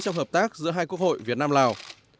trong hợp tác giữa hai quốc hội việt nam lào